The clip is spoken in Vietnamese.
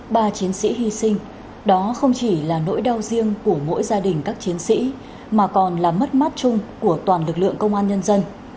ba chiến sĩ hy sinh đó không chỉ là nỗi đau riêng của mỗi gia đình các chiến sĩ mà còn là mất mát chung của toàn lực lượng công an nhân dân